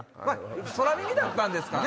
空耳だったんですかね